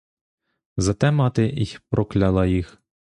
За те мати й прокляла їх.